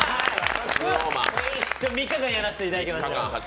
３日間、やらせていただきました。